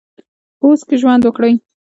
په اوس کې ژوند وکړئ